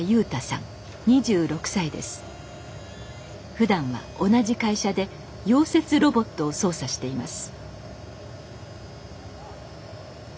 ふだんは同じ会社で溶接ロボットを操作しています。